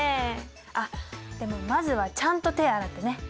あっでもまずはちゃんと手洗ってね。